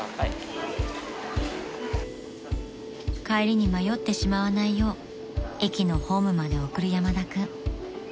［帰りに迷ってしまわないよう駅のホームまで送る山田君］